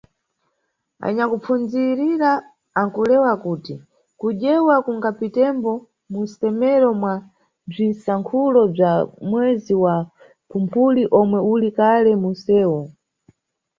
Anyakupfundzirira ankulewa kuti kudyewa kungapitembo muncemero mwa bzwisankhulo bzwa mwezi wa Phumphuli omwe uli kale munsewu.